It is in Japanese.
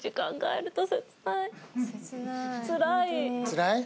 つらい？